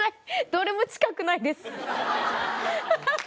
どれも近くないです。